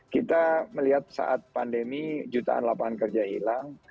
kita melihat saat pandemi jutaan lapangan kerja hilang